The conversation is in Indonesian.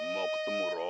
nah di sini